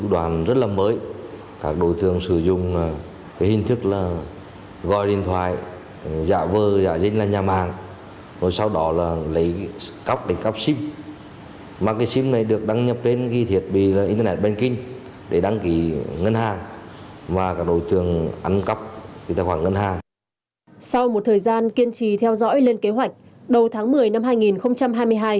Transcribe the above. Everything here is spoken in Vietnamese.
sau một thời gian kiên trì theo dõi lên kế hoạch đầu tháng một mươi năm hai nghìn hai mươi hai